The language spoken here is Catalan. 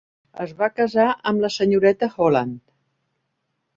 Es va casar amb la senyoreta Holland.